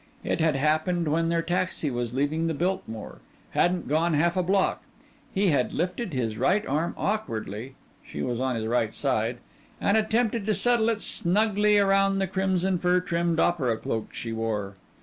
It had happened when their taxi was leaving the Biltmore hadn't gone half a block. He had lifted his right arm awkwardly she was on his right side and attempted to settle it snugly around the crimson fur trimmed opera cloak she wore.